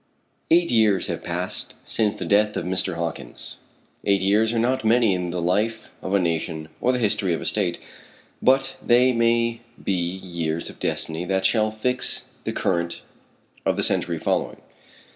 Eight years have passed since the death of Mr. Hawkins. Eight years are not many in the life of a nation or the history of a state, but they may be years of destiny that shall fix the current of the century following.